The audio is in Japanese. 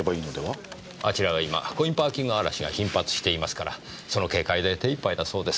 あちらは今コインパーキング荒らしが頻発していますからその警戒で手いっぱいだそうです。